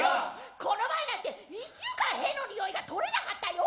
この前なんて１週間へのにおいが取れなかったよ。